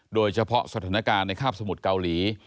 โดยเฉพาะสถานการณ์ในคาบสมุทรเกาหลี